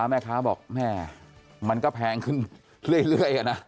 แม่ค้าบอกแม่มันก็แพงขึ้นเรื่อยนะ